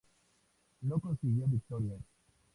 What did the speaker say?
No consiguió victorias.